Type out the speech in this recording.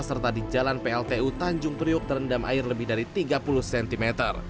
serta di jalan pltu tanjung priuk terendam air lebih dari tiga puluh cm